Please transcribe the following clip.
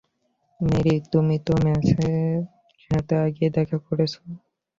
Mary, তুমি তো মেসের সাথে আগেই দেখা করেছ।